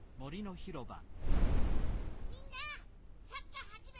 みんなサッカーはじめるわよ！